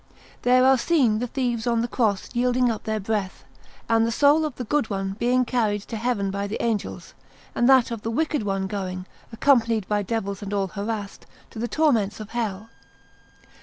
There are seen the Thieves on the Cross yielding up their breath, and the soul of the good one being carried to Heaven by the angels, and that of the wicked one going, accompanied by devils and all harassed, to the torments of Hell.